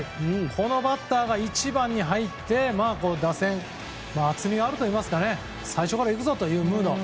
このバッターが１番に入って打線、厚みがあるといいますか最初から行くぞというムード。